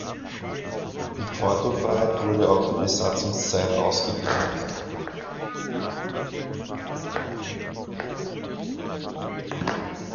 Die Portofreiheit wurde auf die Besatzungszeit ausgedehnt.